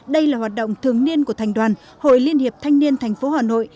đây là hoạt động thường niên của thành đoàn hội liên hiệp thanh niên tp hà nội